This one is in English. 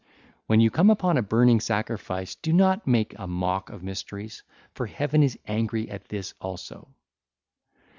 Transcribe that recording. When you come upon a burning sacrifice, do not make a mock of mysteries, for Heaven is angry at this also.